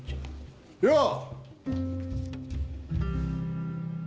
・よう！